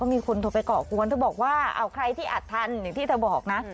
มีคนโทรไปก่อกวนเธอบอกว่าเอาใครที่อัดทันอย่างที่เธอบอกนะ